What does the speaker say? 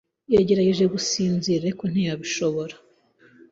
yagerageje gusinzira, ariko ntiyabishobora.